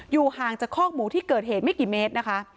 ห่างจากคอกหมูที่เกิดเหตุไม่กี่เมตรนะคะ